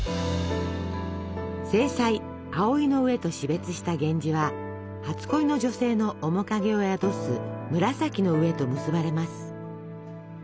正妻葵の上と死別した源氏は初恋の女性の面影を宿す紫の上と結ばれます。